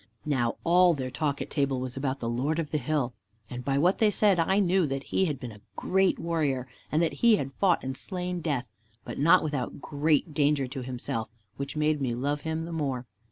Now all their talk at table was about the Lord of the hill, and, by what they said, I knew that He had been a great Warrior, and that He had fought and slain Death, but not without great danger to Himself, which made me love Him the more.